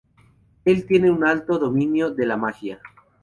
Él tiene un alto dominio de la magia.